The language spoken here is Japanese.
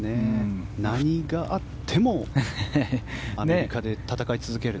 何があってもアメリカで戦い続けると。